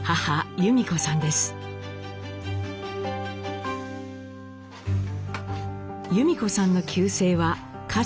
由美子さんの旧姓は笠野。